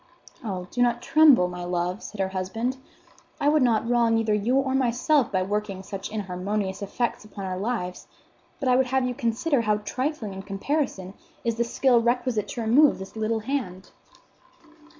"Oh, do not tremble, my love," said her husband. "I would not wrong either you or myself by working such inharmonious effects upon our lives; but I would have you consider how trifling, in comparison, is the skill requisite to remove this little hand."